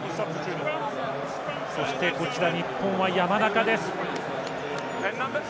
そして、日本は山中です。